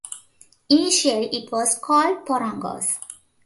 Initially it was called "Porongos".